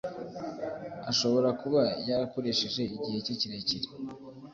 ashobora kuba yarakoresheje igihe cye kirekire